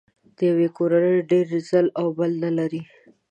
د دوی کورونه ډېر ځل و بل نه لري.